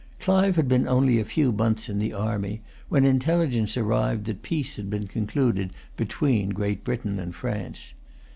Clive had been only a few months in the army when intelligence arrived that peace had been concluded between Great Britain and France.